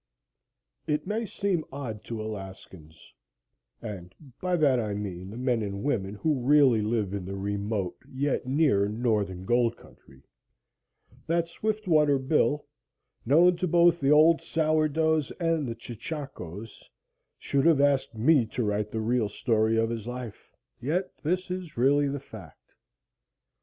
IT may seem odd to Alaskans, and by that I mean, the men and women who really live in the remote, yet near, northern gold country, that "Swiftwater Bill" known to both the old Sour Doughs and the Cheechacos should have asked me to write the real story of his life, yet this is really the fact.